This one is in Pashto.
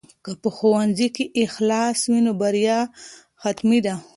که په ښوونځي کې اخلاص وي نو بریا حتمي ده.